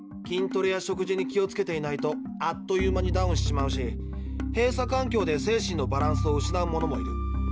筋トレや食事に気をつけていないとあっという間にダウンしちまうし閉鎖環境で精神のバランスを失う者もいる。